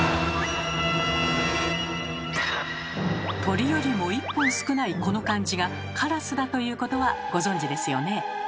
「鳥」よりも一本少ないこの漢字が「烏」だということはご存じですよね。